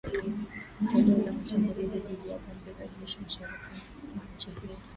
kutekeleza mashambulizi dhidi ya kambi za jeshi mashariki mwa nchi hiyo